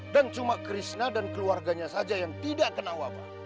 dan cuma krishna dan keluarganya saja yang tidak kena wabah